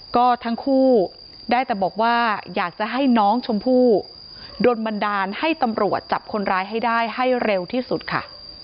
ก็ทั้งคู่ได้แต่บอกว่าอยากจะให้น้องชมพู่โดนบันดาลให้ตำรวจจับคนร้ายให้ได้ให้เร็วที่สุดค่ะ